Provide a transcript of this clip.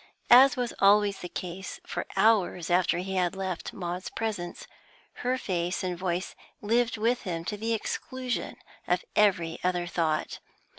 As was always the case for hours after he had left Maud's presence, her face and voice lived with him to the exclusion of every other thought.